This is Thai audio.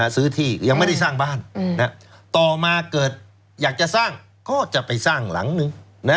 ซื้อที่ยังไม่ได้สร้างบ้านต่อมาเกิดอยากจะสร้างก็จะไปสร้างหลังนึง